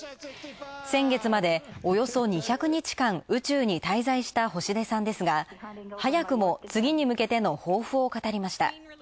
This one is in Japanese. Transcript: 先月まで、およそ２００日間、宇宙に滞在した星出さんですが早くも次に向けての抱負を語りました。